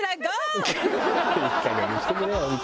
「いいかげんにしてくれよ本当に」